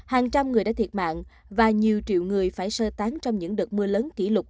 hàng trăm người đã thiệt mạng và nhiều triệu người phải sơ tán trong những đợt mưa lớn kỷ lục